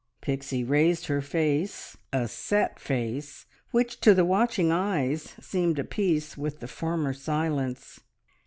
Pixie raised her face, a set face, which to the watching eyes seemed apiece with the former silence.